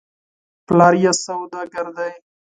پلار یې سودا ګر دی .